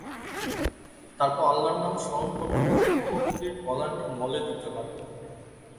তারপর আল্লাহর নাম স্মরণ করতে করতে বকরীর ওলানটি মলে দিতে লাগল।